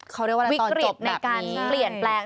เขาเรียกว่าอะไรตอนจบแบบนี้ใช่ไหมคะวิกฤตในการเปลี่ยนแปลง